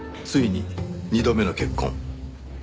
ついに２度目の結婚」。